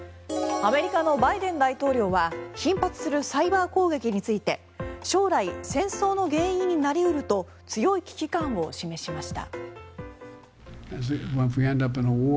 アメリカのバイデン大統領は頻発するサイバー攻撃について将来、戦争の原因になり得ると強い危機感を示しました。